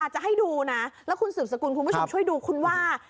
จะให้ดูนะแล้วคุณสืบสกุลคุณผู้ชมช่วยดูคุณว่า